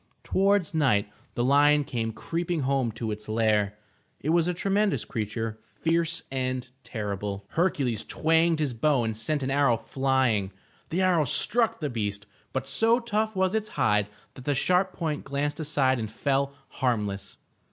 Towards night the lion came creeping home to its lair. It was a tremendous creature, fierce and terrible. Hercules twanged his bow and sent an arrow flying. The arrow struck the beast, but so tough was its hide that the sharp point glanced aside and fell harmless.